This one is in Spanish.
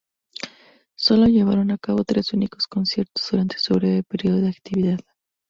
Sólo llevaron a cabo tres únicos conciertos durante su breve período de actividad.